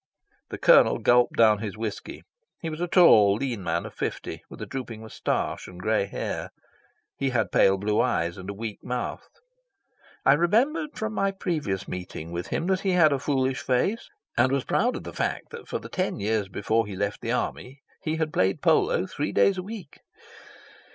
The Colonel gulped down his whisky. He was a tall, lean man of fifty, with a drooping moustache and grey hair. He had pale blue eyes and a weak mouth. I remembered from my previous meeting with him that he had a foolish face, and was proud of the fact that for the ten years before he left the army he had played polo three days a week.